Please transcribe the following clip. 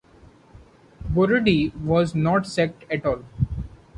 Brodie was not sacked at all.